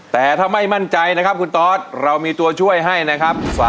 แต่ถ้าไม่มั่นใจนะครับคุณตอสเรามีตัวช่วยให้นะครับ